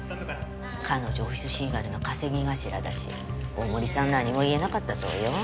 彼女オフィスシーガルの稼ぎ頭だし大森さん何も言えなかったそうよ。